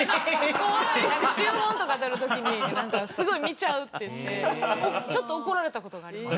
注文とか取る時にすごい見ちゃうっていってちょっと怒られたことがあります。